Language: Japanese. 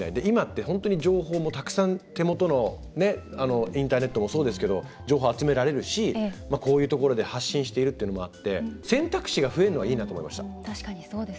今って本当に情報もたくさん手元のインターネットもそうですけど情報を集められるしこういうところで発信しているっていうのもあって選択肢が増えるのはいいなと思いました。